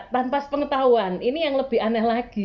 tanpa sepengetahuan ini yang lebih aneh lagi